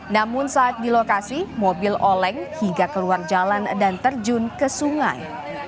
namun saat di lokasi mobil oleng hingga keluar jalan dan terjun ke sungai